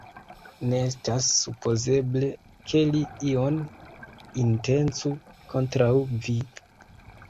Ne estas supozeble, ke li ion intencu kontraŭ vi!